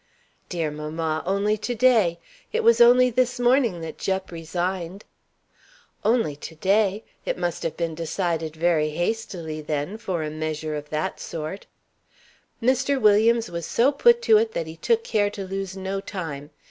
"Dear mamma, only to day. It was only this morning that Jupp resigned." "Only to day! It must have been decided very hastily, then, for a measure of that sort." "Mr. Williams was so put to it that he took care to lose no time.